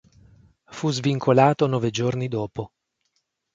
Fu svincolato nove giorni dopo.